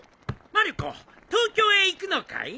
まる子東京へ行くのかい？